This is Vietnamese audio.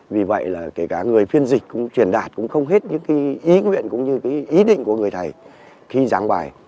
vì vậy là kể cả người phiên dịch cũng truyền đạt cũng không hết những cái ý nguyện cũng như cái ý định của người thầy khi giảng bài